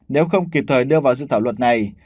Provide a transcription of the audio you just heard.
nếu không kịp thời đưa vào dự thảo luật này